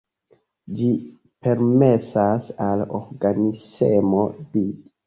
Ĝi permesas al organismo vidi.